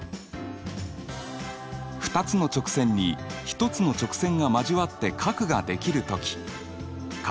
２つの直線に１つの直線が交わって角ができる時∠